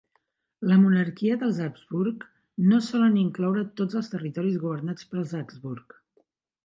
La monarquia dels Habsburg no solen incloure tots els territoris governats pels Habsburg.